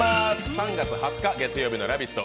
３月２０日月曜日の「ラヴィット！」